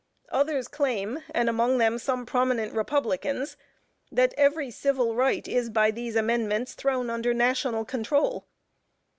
Others claim, and among them, some prominent Republicans, that every civil right is by these amendments, thrown under national control.